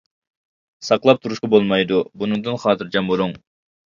ساقلاپ تۇرۇشقا بولمايدۇ؟ -بۇنىڭدىن خاتىرجەم بۇلۇڭ.